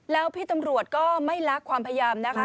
แล้วพี่ตำรวจก็ไม่ลักความพยายามนะคะ